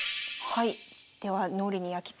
はい。